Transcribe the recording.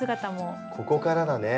ここからだね。